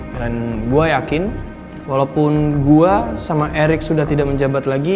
dan gue yakin walaupun gue sama erik sudah tidak menjabat lagi